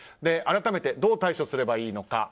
改めてどう対処すればいいのか。